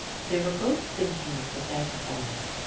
They were both thinking of the dead woman.